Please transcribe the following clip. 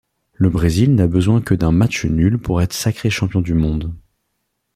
Le Brésil n'a besoin que d'un match nul pour être sacré champion du monde.